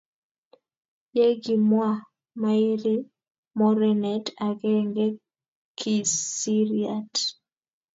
Yekimwaa, mairie morenet agenge kisiriat